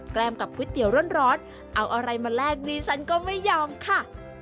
ล้มกับก๋วยเตี๋ยวร้อนเอาอะไรมาแลกดิฉันก็ไม่ยอมค่ะ